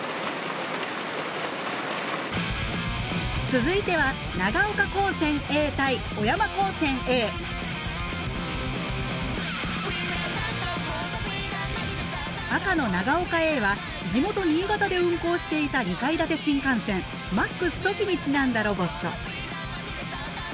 続いては赤の長岡Ａは地元新潟で運行していた２階建て新幹線「Ｍａｘとき」にちなんだロボット。